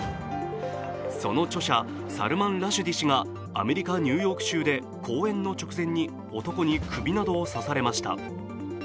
その著者、サルマン・ラシュディ氏がアメリカ・ニューヨーク州で講演の直前に男に首などを刺されました。